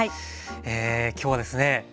今日はですね